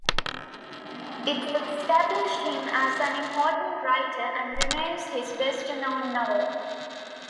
It established him as an important writer and remains his best known novel.